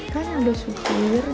kan udah sopir nih